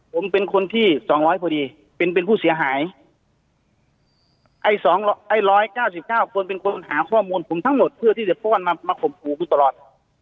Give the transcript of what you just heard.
ผมเป็นคนที่๒๐๐พอดีเป็นเป็นผู้เสียหายไอ้๑๙๙คนเป็นคนหาข้อมูลผมทั้งหมดเพื่อที่จะป้อนมาข่มขู่คุณตลอด